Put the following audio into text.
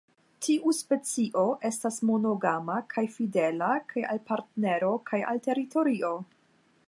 Tiu specio estas monogama kaj fidela kaj al partnero kaj al teritorio.